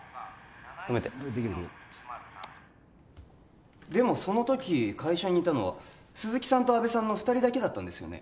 止めてできるできるでもその時会社にいたのは鈴木さんと阿部さんの２人だけだったんですよね？